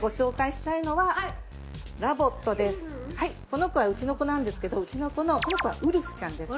この子はうちの子なんですけどうちの子のこの子はうるふちゃんです。